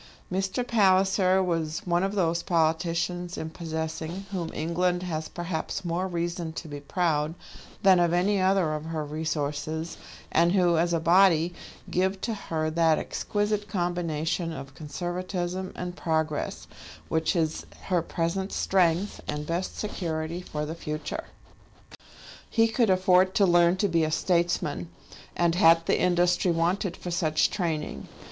Mr. Palliser was one of those politicians in possessing whom England has perhaps more reason to be proud than of any other of her resources, and who, as a body, give to her that exquisite combination of conservatism and progress which is her present strength and best security for the future. He could afford to learn to be a statesman, and had the industry wanted for such training.